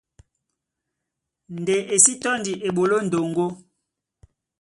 Ndé e sí tɔ́ndi eɓoló ndoŋgó.